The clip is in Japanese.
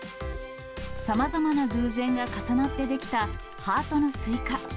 さまざまな偶然が重なって出来た、ハートのスイカ。